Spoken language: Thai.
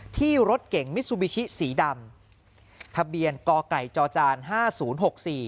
ที่รถเก่งมิซูบิชิสีดำทะเบียนกไก่จอจานห้าศูนย์หกสี่